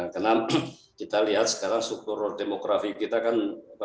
karena kita lihat sekarang suku demografi kita kan sekarang prioritas kaum milenial